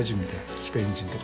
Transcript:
スペイン人とか。